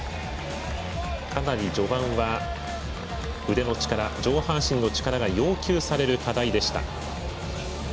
かなり序盤は腕の力上半身の力が要求される課題でした。